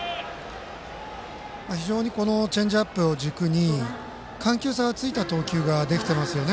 非常にチェンジアップを軸に緩急差がついた投球ができていますね。